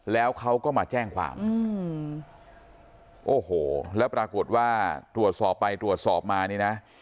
แล้วเขาก็มาแจ้งความโอ้โหแล้วปรากฏว่าตรวจสอบไปตรวจสอบมานี่นะ